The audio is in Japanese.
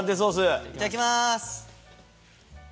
いただきます！